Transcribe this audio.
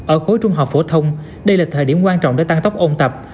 ở khối trung học phổ thông đây là thời điểm quan trọng để tăng tốc ôn tập